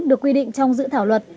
được quy định trong dự thảo luật